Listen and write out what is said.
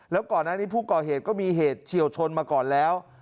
แล้วก่อนนั้นที่ผู้ก่อเหตุก็มีเหตุชิดเข้ามาก่อนแล้ว